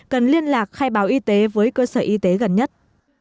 cần liên lạc khai báo y tế với cơ sở y tế gần nhất